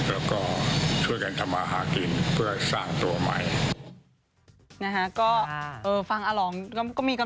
แล้วก็ช่วยกันทำมาหากินเพื่อสร้างตัวใหม่นะฮะ